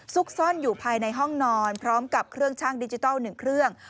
ซุกซ่อนอยู่ภายในห้องนอนพร้อมกับเครื่องช่างดิจิทัล๑เครื่อง